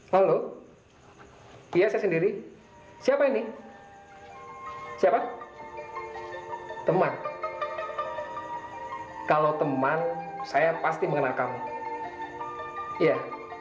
halo dia saya sendiri siapa ini siapa teman kalau teman saya pasti mengenakan ya